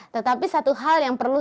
tetapi satu hal yang perlu